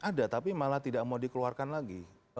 ada tapi malah tidak mau dikeluarkan lagi